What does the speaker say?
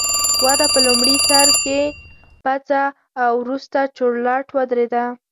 وده په لومړي سر کې پڅه او وروسته چورلټ ودرېده